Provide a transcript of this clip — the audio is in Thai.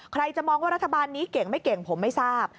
ใครจะมองว่ารัฐบาลนี้เก่งไม่เก่งผมไม่ทราบ